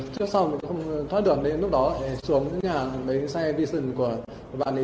trước sau không thoát được đến lúc đó thì xuống nhà lấy xe vi sừng của bạn ấy